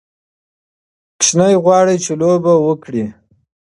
ماشوم غواړي چې لوبه وکړي.